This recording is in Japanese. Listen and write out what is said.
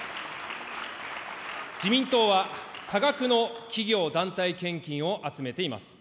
自民党は多額の企業団体献金を集めています。